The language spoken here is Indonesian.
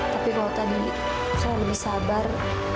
tapi kalau tadi saya lebih sabar